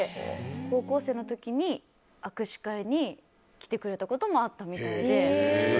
高校生の時に握手会に来てくれたこともあったみたいで。